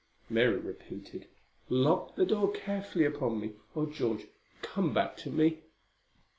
Mary repeated, "Lock the door carefully upon me. Oh, George, come back to me!"